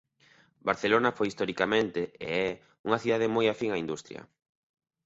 Barcelona foi historicamente e é unha cidade moi afín a industria.